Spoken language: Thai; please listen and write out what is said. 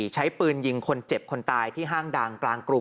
ใช้ปืนยิงคนเจ็บคนตายที่ห้างดังกลางกรุง